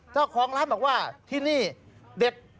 เจ้าของร้านบอกว่าที่นี่เด็ด